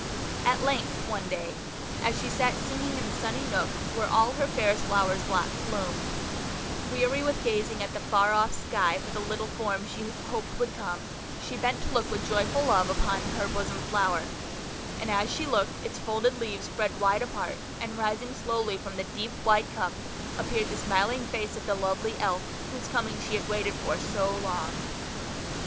At length, one day, as she sat singing in the sunny nook where all her fairest flowers bloomed, weary with gazing at the far off sky for the little form she hoped would come, she bent to look with joyful love upon her bosom flower; and as she looked, its folded leaves spread wide apart, and, rising slowly from the deep white cup, appeared the smiling face of the lovely Elf whose coming she had waited for so long.